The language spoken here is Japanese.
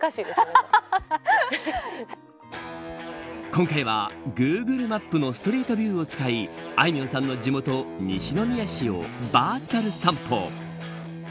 今回はグーグルマップのストリートビューを使いあいみょんさんの地元西宮市をバーチャル散歩。